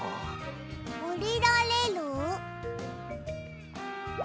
おりられる？